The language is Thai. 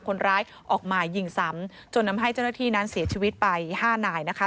คนร้ายออกมายิงซ้ำจนทำให้เจ้าหน้าที่นั้นเสียชีวิตไปห้านายนะคะ